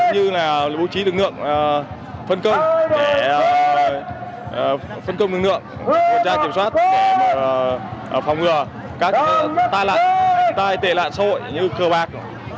cũng như là bố trí lực lượng phân công để phòng ngừa các tai tệ lạng sội như cờ bạc